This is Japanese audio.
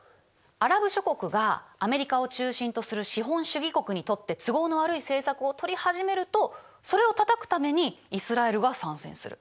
アラブ諸国がアメリカを中心とする資本主義国にとって都合の悪い政策を取り始めるとそれをたたくためにイスラエルが参戦する。